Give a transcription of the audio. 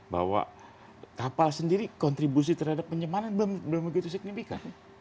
bahwa kapal sendiri kontribusi terhadap penyemanan belum begitu signifikan